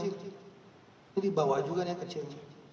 ini dibawa juga yang kecil